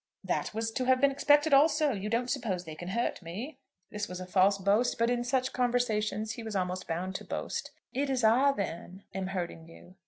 "That was to have been expected also. You don't suppose they can hurt me?" This was a false boast, but in such conversations he was almost bound to boast. "It is I, then, am hurting you?"